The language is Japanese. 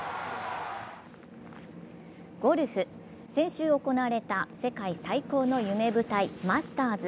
ゴルフ、先週行われた世界最高の夢舞台・マスターズ。